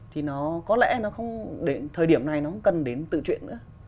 thì nó có lẽ thời điểm này nó không cần đến tự truyện nữa